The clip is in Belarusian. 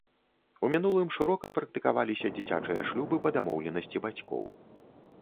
У мінулым шырока практыкаваліся дзіцячыя шлюбы па дамоўленасці бацькоў.